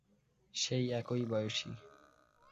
সেই একই বয়সী।